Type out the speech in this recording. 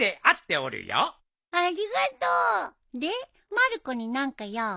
まる子に何か用？